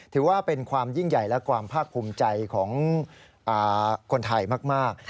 ถือว่าเป็นความยิ่งใหญ่และความภาคภูมิใจของคนไทยมาก